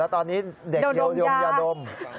แล้วตอนนี้เด็กโยมยาดม